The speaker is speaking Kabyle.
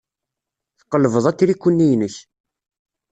Tqelbeḍ atriku-nni-inek.